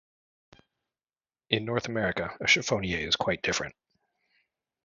In North America, a chiffonier is quite different.